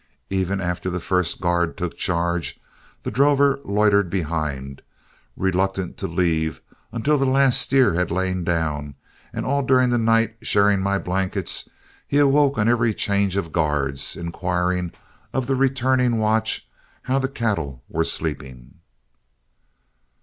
Even after the first guard took charge, the drover loitered behind, reluctant to leave until the last steer had lain down; and all during the night, sharing my blankets, he awoke on every change of guards, inquiring of the returning watch how the cattle were sleeping.